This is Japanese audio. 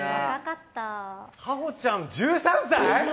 夏帆ちゃん、１３歳！？